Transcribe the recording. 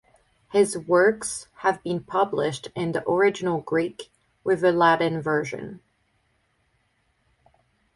His works have been published in the original Greek with a Latin version.